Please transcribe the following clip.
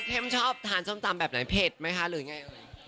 เค้มชอบทานส้มมตำแบบไหนเผ็ดไหมคะหรือยังไง